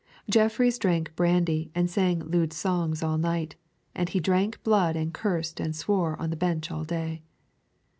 Jeffreys drank brandy and sang lewd songs all night, and he drank blood and cursed and swore on the bench all day.